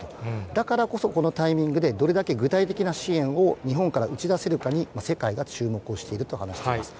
だからこそ、このタイミングでどれだけ具体的な支援を、日本から打ち出せるかに世界が注目をしていると話しています。